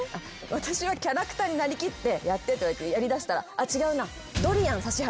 私はキャラクターになりきってやってって言われてやりだしたら。